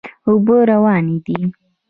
اوبه روانې دي.